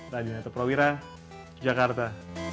radinato prawira jakarta